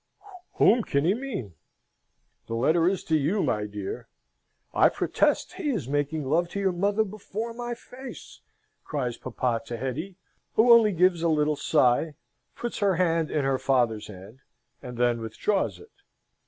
"Whom can he mean? The letter is to you, my dear. I protest he is making love to your mother before my face!" cries papa to Hetty, who only gives a little sigh, puts her hand in her father's hand, and then withdraws it.